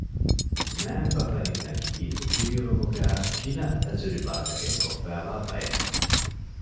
މައިންބަފައިންނަކީ ދިރިއުޅުމުގައި ގިނަ ތަޖުރިބާތަކެއް ކޮށްފައިވާ ބައެއް